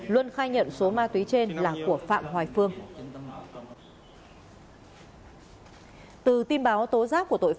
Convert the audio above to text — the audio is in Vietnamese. luân khai nhận số ma túy trên là của phạm hoài phương